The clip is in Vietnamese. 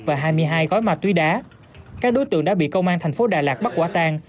và hai mươi hai gói ma túy đá các đối tượng đã bị công an thành phố đà lạt bắt quả tang